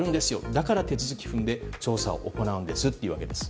だから手続きを踏んで調査を行うんですと言われるんです。